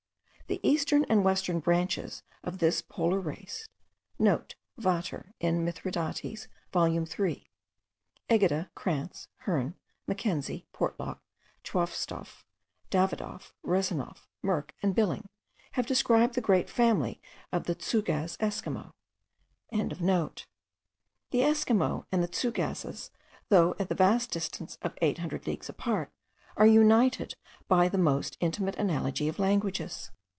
The eastern and western branches* of this polar race (* Vater, in Mithridates volume 3. Egede, Krantz, Hearne, Mackenzie, Portlock, Chwostoff, Davidoff, Resanoff, Merk, and Billing, have described the great family of these Tschougaz Esquimaux.), the Esquimaux and the Tschougases, though at the vast distance of eight hundred leagues apart, are united by the most intimate analogy of languages.